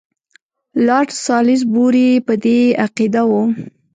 لارډ سالیزبوري په دې عقیده وو.